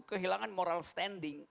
kehilangan moral standing